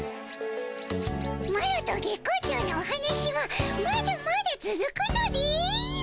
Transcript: マロと月光町のお話はまだまだつづくのでおじゃる。